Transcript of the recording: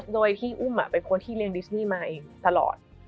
โดยที่อุ้มเป็นคนที่เลี้ยดิสนี่มาเองตลอด